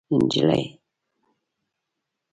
نجلۍ